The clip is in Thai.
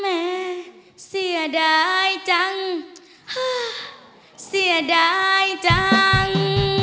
แม่เสียดายจังฮะเสียดายจัง